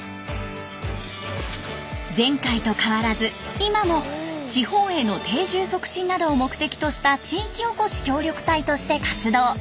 前回と変わらず今も地方への定住促進などを目的とした地域おこし協力隊として活動。